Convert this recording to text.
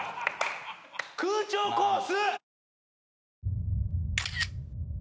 空調コース！